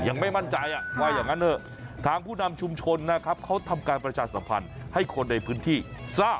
ยังไม่มั่นใจว่าอย่างนั้นเถอะทางผู้นำชุมชนนะครับเขาทำการประชาสัมพันธ์ให้คนในพื้นที่ทราบ